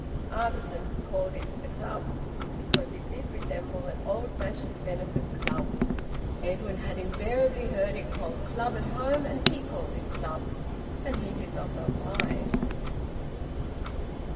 Artisans called it the Club, because it did resemble an old fashioned benefit club. Edwin had invariably heard it called `Club' at home, and he called it `Club,' and he did not know why.